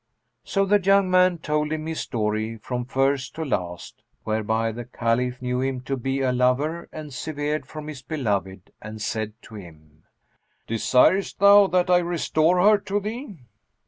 So the young man told him his story from first to last, whereby the Caliph knew him to be a lover and severed from his beloved and said to him, "Desirest thou that I restore her to thee?"